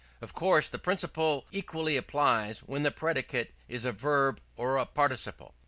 Of course the principle equally applies when the predicate is a verb or a participle.